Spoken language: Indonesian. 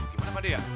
gimana pak de ya